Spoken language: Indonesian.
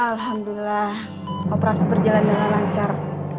alhamdulillah operasi berjalan dengan lancar